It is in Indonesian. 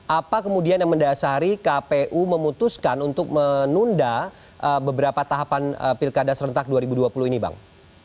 apa kemudian yang mendasari kpu memutuskan untuk menunda beberapa tahapan pilkada serentak dua ribu dua puluh ini bang